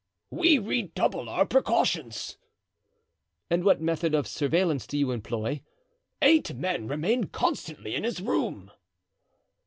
"We redouble our precautions." "And what method of surveillance do you employ?" "Eight men remain constantly in his room."